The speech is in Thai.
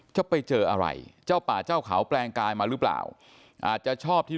จะไปเจออะไรเจ้าป่าเจ้าเขาแปลงกายมาหรือเปล่าอาจจะชอบที่